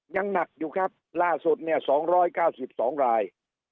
ยังหนักอยู่ครับล่าสุดเนี้ยสองร้อยเก้าสิบสองราย